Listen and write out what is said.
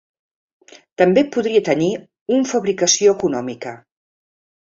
També podria tenir un fabricació econòmica.